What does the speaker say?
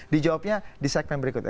di jawabnya di segmen berikut